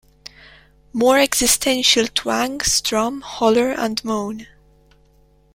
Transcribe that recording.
More existential twang, strum, holler, and moan.